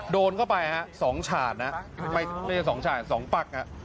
โดนเข้าไปฮะ๒ฉาดนะไม่ใช่๒ฉาด๒ปัก